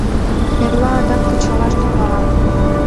эрла адак кычалаш тӱҥалам.